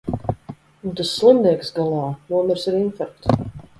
Un tas slimnieks galā nomirs ar infarktu.